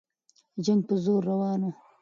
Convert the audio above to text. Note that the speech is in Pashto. جنګ په زور روان وو.